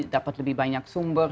dapat lebih banyak sumber